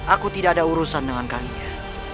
aku tidak ada urusan dengan kalian